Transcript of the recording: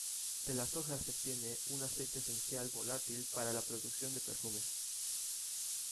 De las hojas se obtiene un aceite esencial volátil para la producción de perfumes.